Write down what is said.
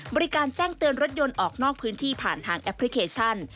บริการแจ้งเตือนรถยนต์ออกนอกพื้นที่ผ่านทางแอปพลิเคชัน